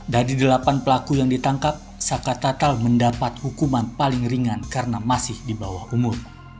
dari delapan pelaku yang ditangkap saka tatal mendapat hukuman paling ringan karena masih di bawah umur